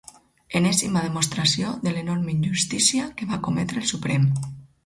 Enèsima demostració de l’enorme injustícia que va cometre el Suprem.